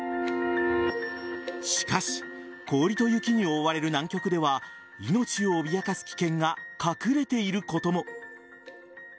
しかし氷と雪に覆われる南極では命を脅かす危険が隠れていることも。